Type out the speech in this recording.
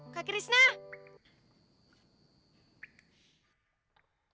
kakak tuh mikirin apa sih